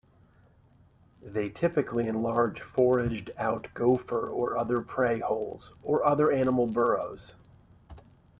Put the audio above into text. They typically enlarge foraged out gopher or other prey holes, or other animal burrows.